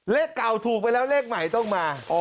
เลขเก่าถูกไปแล้วเลขใหม่ต้องมา